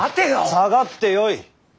下がってよい！